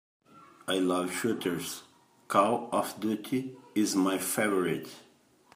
I love shooters, Call of Duty is my favorite.